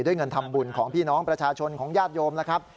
เงินทำบุญของพี่น้องประชาชนของญาติโยมแล้วครับ